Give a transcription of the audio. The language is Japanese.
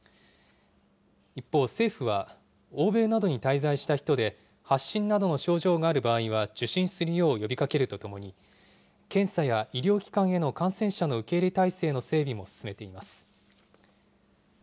一方、政府は欧米などに滞在した人で、発疹などの症状がある場合は、受診するよう呼びかけるとともに、検査や医療機関への感染者の受け入れ体制の整備も進めています。